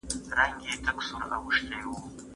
که تجربه وي نو مهارت نه کمېږي.